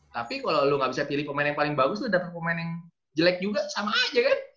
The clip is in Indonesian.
tapi kalo lu gak bisa pilih pemain yang paling bagus lu dapet pemain yang jelek juga sama aja kan